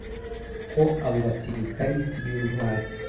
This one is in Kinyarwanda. ko abo basirikari b`intwari